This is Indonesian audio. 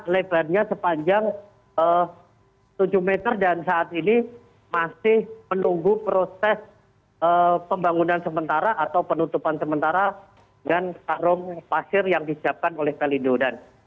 lebarnya sepanjang tujuh meter dan saat ini masih menunggu proses pembangunan sementara atau penutupan sementara dengan karung pasir yang disiapkan oleh pelindo